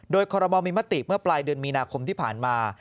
โดยคอรมอลมีมติเมื่อปลายเดือนมีนาคมที่ผ่านมา